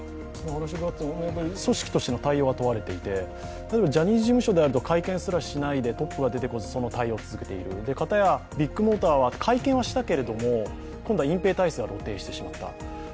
組織としての対応が問われていて、例えばジャニーズ事務所は会見すらしないでトップが出てこず対応を続けている、片や、ビッグモーターは会見はしたけれども、今度は隠蔽体質が露呈してしまった。